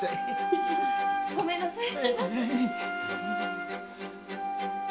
ごめんなさい。